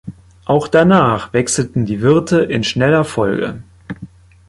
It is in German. Auch danach wechselten die Wirte in schneller Folge.